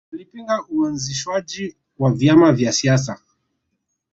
Walipinga uanzishwaji wa vyama vya siasa